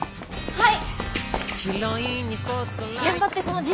はい。